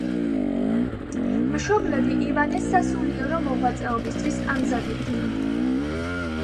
მშობლები ივანეს სასულიერო მოღვაწეობისთვის ამზადებდნენ.